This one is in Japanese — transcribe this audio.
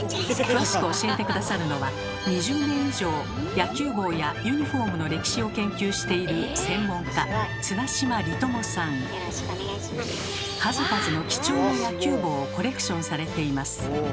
詳しく教えて下さるのは２０年以上野球帽やユニフォームの歴史を研究している数々の貴重な野球帽をコレクションされています。